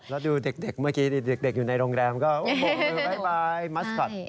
แล้วดูเด็กเมื่อกี้เด็กอยู่ในโรงแรมก็บกมือบ๊ายบายมัสคอต